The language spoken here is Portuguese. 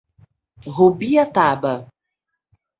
Rubiataba